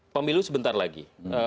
pemilu sebentar lagi